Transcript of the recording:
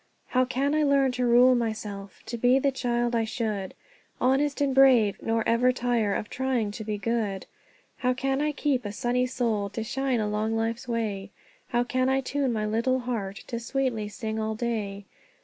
"How can I learn to rule myself, To be the child I should, Honest and brave, nor ever tire Of trying to be good? How can I keep a sunny soul To shine along life's way? How can I tune my little heart To sweetly sing all day?